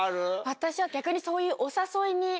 私は逆にそういう。